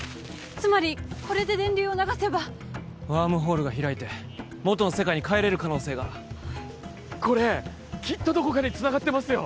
つまりこれで電流を流せばワームホールが開いてもとの世界に帰れる可能性がこれきっとどこかにつながってますよ